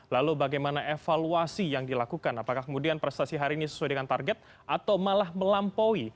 lalu bagaimana evaluasi yang dilakukan apakah kemudian prestasi hari ini sesuai dengan target atau malah melampaui